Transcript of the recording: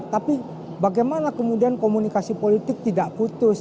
tapi bagaimana kemudian komunikasi politik tidak putus